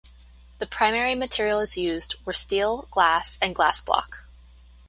The primary materials used were steel, glass, and glass block.